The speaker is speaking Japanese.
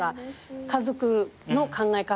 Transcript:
家族の考え方